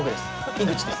井口です。